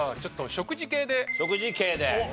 食事系で。